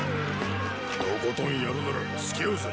とことん戦るならつきあうぞ。